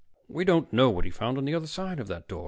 We don't know what he found on the other side of that door.